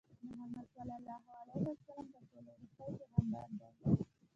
محمدﷺ تر ټولو ورستی پیغمبر دی.